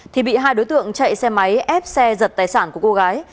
thì bị hai đối tượng chạy xe máy ép xe giật tài sản của cô gái